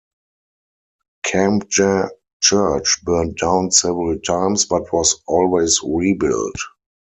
Kambja Church burned down several times, but was always rebuilt.